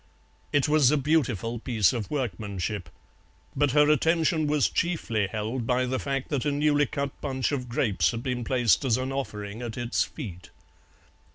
It was a beautiful piece of workmanship, but her attention was chiefly held by the fact that a newly cut bunch of grapes had been placed as an offering at its feet.